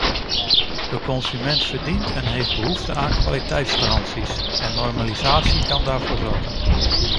De consument verdient en heeft behoefte aan kwaliteitsgaranties en normalisatie kan daarvoor zorgen.